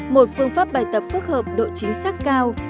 một phương pháp bài tập phức hợp độ chính xác cao